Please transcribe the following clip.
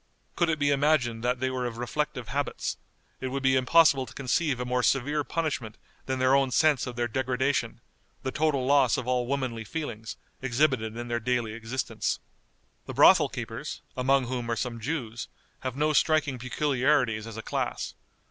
Could it be imagined that they were of reflective habits, it would be impossible to conceive a more severe punishment than their own sense of the degradation, the total loss of all womanly feelings, exhibited in their daily existence. The brothel keepers, among whom are some Jews, have no striking peculiarities as a class.